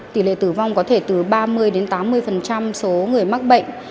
tỷ lệ tử vong có thể từ ba mươi tám mươi số người mắc bệnh